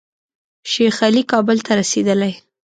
شیخ علي کابل ته رسېدلی.